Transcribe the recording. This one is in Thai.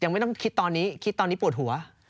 ไม่ต้องคิดตอนนี้คิดตอนนี้ปวดหัว